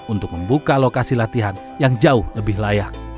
untuk membuka lokasi latihan yang jauh lebih layak